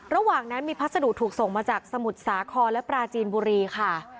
ระหว่างนั้นมีพัสดุถูกส่งมาจากสมุทรสาครและปราจีนบุรีค่ะ